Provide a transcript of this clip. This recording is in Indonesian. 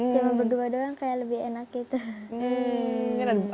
cuma berdua doang kayak lebih enak gitu